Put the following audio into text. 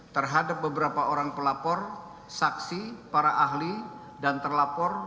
terhadap beberapa orang pelapor saksi para ahli dan terlapor